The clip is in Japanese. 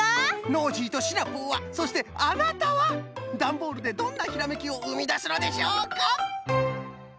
ノージーとシナプーはそしてあなたはダンボールでどんなひらめきをうみだすのでしょうか！